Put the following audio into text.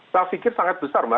saya pikir sangat besar mbak